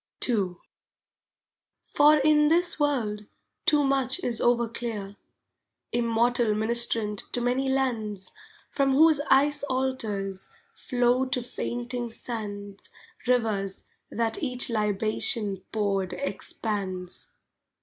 II For in this world too much is overclear, Immortal Ministrant to many lands, From whose ice altars flow to fainting sands Rivers that each libation poured expands.